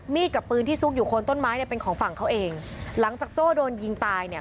กับปืนที่ซุกอยู่คนต้นไม้เนี่ยเป็นของฝั่งเขาเองหลังจากโจ้โดนยิงตายเนี่ย